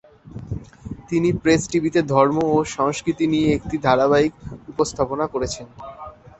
তিনি প্রেস টিভিতে ধর্ম ও সংস্কৃতি নিয়ে একটি ধারাবাহিক উপস্থাপনা করেছেন।